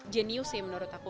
jenius sih menurut aku